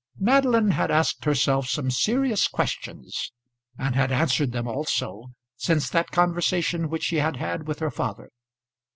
Madeline had asked herself some serious questions, and had answered them also, since that conversation which she had had with her father.